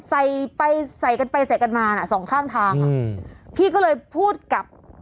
ใส่ไปใส่กันไปใส่กันมาน่ะสองข้างทางอ่ะอืมพี่ก็เลยพูดกับ